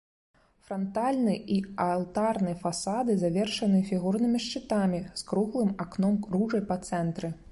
Франтальны і алтарны фасады завершаны фігурнымі шчытамі з круглым акном-ружай па цэнтры.